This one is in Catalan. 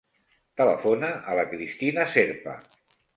Telefona a la Cristina Zerpa.